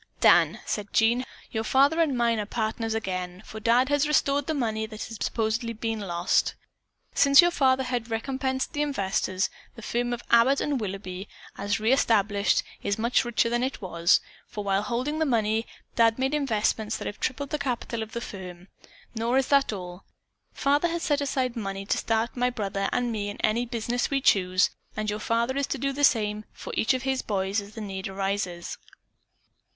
"Dan," said Bob, "your father and mine are again partners, for Dad has restored the money that had been supposedly lost. Since your father had recompensed the investors, the firm of Abbott & Willoughby, as re established, is much richer than it was, for while holding the money, Dad made investments that have tripled the capital of the firm. Nor is that all! Father has set aside money to start my brother and me in any business we may choose, and your father is to do the same for each of his boys as the need arises."